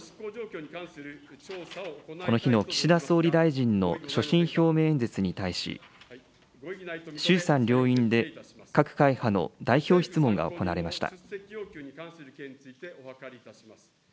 この日の岸田総理大臣の所信表明演説に対し、衆参両院で各会派の代表質問が行われました。